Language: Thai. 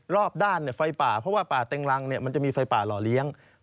รอบด้านไฟป่าเพราะว่าป่าเต็งรังมันจะมีไฟป่าหล่อเลี้ยง